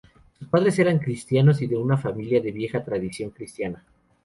Sus padres eran cristianos y de una familia de vieja tradición cristiana.